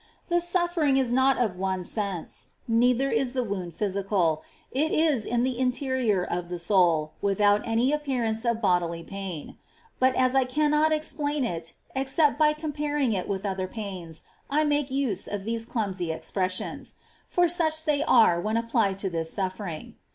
The suffering is not one of sense, neither is the wound physical ; it is in the interior of the soul, without any appearance of bodily pain ; but as I cannot explain it except by comparing it with other pains, I make use of these clumsy expressions, — for such they are when applied to this suffering.